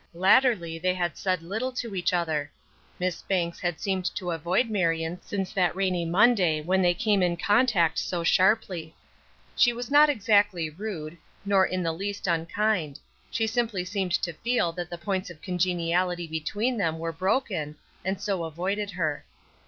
Latterly they had said little to each other. Miss Banks had seemed to avoid Marion since that rainy Monday when they came in contact so sharply. She was not exactly rude, nor in the least unkind; she simply seemed to feel that the points of congeniality between them were broken, and so avoided her.